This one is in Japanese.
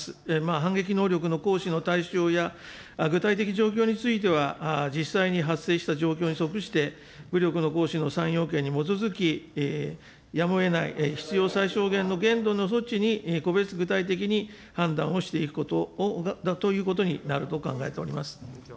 反撃能力の行使の対象や、具体的状況については、実際に発生した状況に即して、武力の行使の３要件に基づき、やむをえない必要最小限度の措置に個別具体的に判断をしていくことだということになると考えております。